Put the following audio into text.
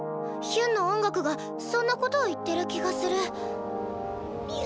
ヒュンの音楽がそんな事を言ってる気がする。